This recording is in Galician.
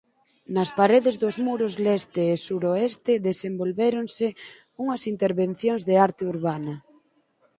Nas paredes dos muros leste e suroeste desenvolvéronse unhas intervencións de arte urbana.